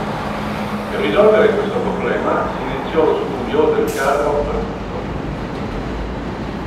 Per risolvere questo problema si iniziò lo studio del carro armato.